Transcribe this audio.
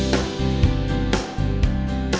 mumpung anak urusan